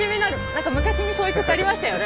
なんか昔にそういう曲ありましたよね。